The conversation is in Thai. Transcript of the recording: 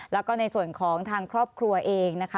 แล้วก็ในส่วนของทางครอบครัวเองนะคะ